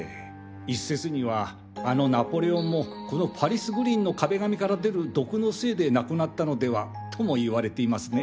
一説にはあのナポレオンもこのパリスグリーンの壁紙から出る毒のせいで亡くなったのではとも言われていますね。